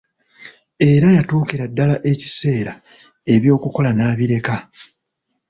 Era yatuukira ddala ekiseera eby'okukola n'abireka.